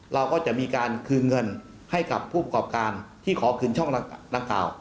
เราก็จะมีการคืนเงินให้กับผู้ประกอบการที่ขอคืนช่องดังกล่าว